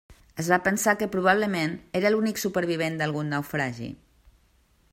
Es va pensar que probablement era l'únic supervivent d'algun naufragi.